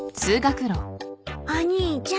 お兄ちゃん。